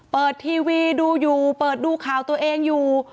เปิดทีวีดูอยู่เปิดดูข่าวตัวเองอยู่